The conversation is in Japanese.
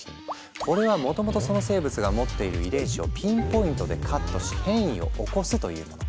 これはもともとその生物が持っている遺伝子をピンポイントでカットし変異を起こすというもの。